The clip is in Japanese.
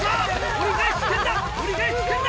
折り返し地点だ！